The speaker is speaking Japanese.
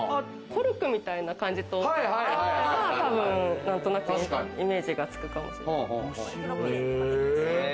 コルクみたいな感じと、何となくイメージがつくかと。